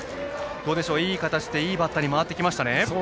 いい形で、いいバッターに回ってきましたね。